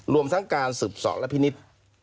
รวมทั้งการสืบสอดและพินิษฐ์